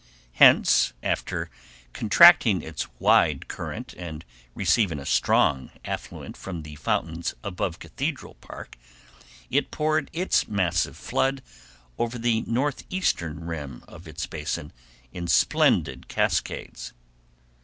Hence, after contracting its wide current and receiving a strong affluent from the fountains about Cathedral Peak, it poured its massive flood over the northeastern rim of its basin in splendid cascades.